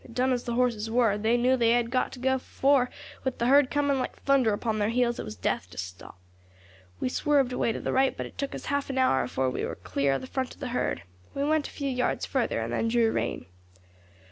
Done as the horses were, they knew they had got to go, for, with the herd coming like thunder upon their heels, it was death to stop. We swerved away to the right, but it took us half an hour afore we war clear of the front of the herd. We went a few hundred yards further, and then drew rein.